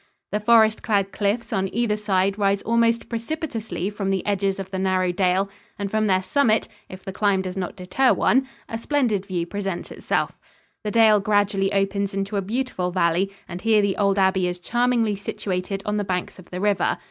The forest clad cliffs on either side rise almost precipitously from the edges of the narrow dale, and from their summit, if the climb does not deter one, a splendid view presents itself. The dale gradually opens into a beautiful valley and here the old abbey is charmingly situated on the banks of the river.